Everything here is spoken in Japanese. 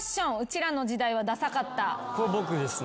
これ僕ですね。